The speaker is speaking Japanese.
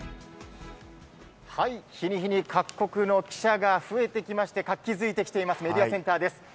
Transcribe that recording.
日に日に各国の記者が増えてきまして、活気づいてきてます、メディアセンターです。